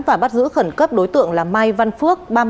và bắt giữ khẩn cấp đối tượng là mai văn phước